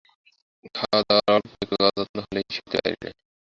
খাওয়াদাওয়ার অল্প একটু অযত্ন হলেই সইতে পারি নে।